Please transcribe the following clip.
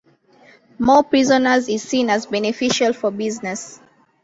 More prisoners is seen as beneficial for business.